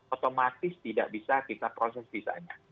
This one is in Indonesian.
otomatis tidak bisa kita proses sisanya